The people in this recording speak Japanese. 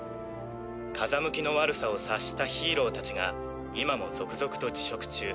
風向きの悪さを察したヒーロー達が今も続々と辞職中。